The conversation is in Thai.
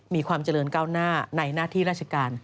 มีความเจริญก้าวหน้าในหน้าที่ราชการ